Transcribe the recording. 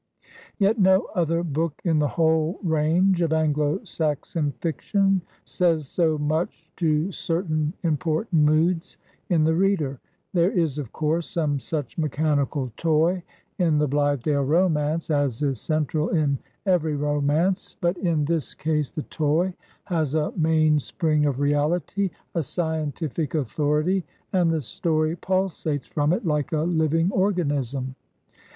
Yet no other book in the whole range of Anglo Saxon fiction says so much to certain important moods in the reader. There is, of course, some such mechanical toy in ''The Blithe dale Romance'' as is central in every romance, but in this case the toy has a mainspring of reaUty, a scientific authority, and the story pulsates from it Uke a Uving organism.